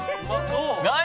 何？